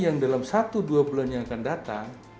yang dalam satu dua bulan yang akan datang